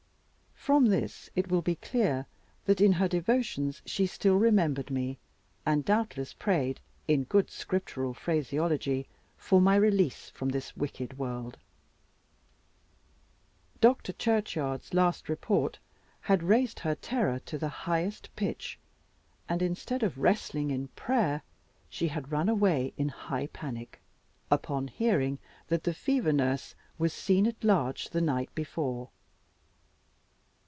From this it will be clear, that in her devotions she still remembered me, and doubtless prayed in good Scriptural phraseology for my release from this wicked world. Dr. Churchyard's last report had raised her terror to the highest pitch, and instead of wrestling in prayer, she had run away in high panic, upon hearing that the fever nurse was seen at large the night before.